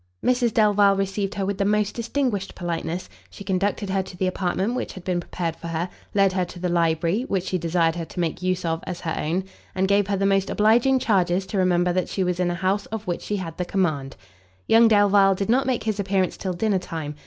Mrs Delvile received her with the most distinguished politeness; she conducted her to the apartment which had been prepared for her, led her to the library, which she desired her to make use of as her own, and gave her the most obliging charges to remember that she was in a house of which she had the command. Young Delvile did not make his appearance till dinner time.